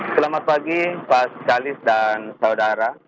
selamat pagi pak skalis dan saudara